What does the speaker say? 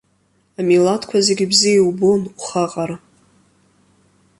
Амилаҭқәа зегьы бзиа иубон ухы аҟара.